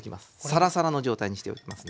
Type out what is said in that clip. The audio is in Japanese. サラサラの状態にしておきますね。